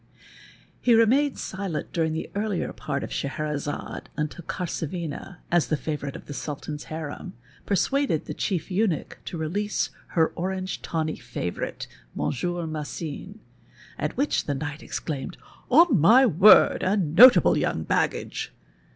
He remained silent during the earlier part of Scheherazade until Karsavina, as the favourite of the Sultan's harem, persuaded the Chief Eunuch to release her orange tawny favourite, Monsieur Mas sine, at which the knight exclaimed, " On my word, 20 SIR ROGER AT RUSSIAN BALLET a notable young baggage